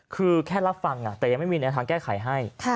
คือแค่รับฟังแต่ยังไม่มีแนวทางแก้ไขให้